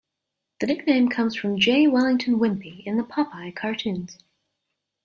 The nickname comes from J. Wellington Wimpy in the Popeye cartoons.